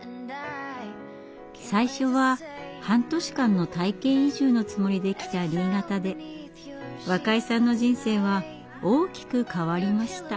最初は半年間の体験移住のつもりで来た新潟で若井さんの人生は大きく変わりました。